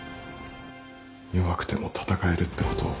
弱くても戦えるってことを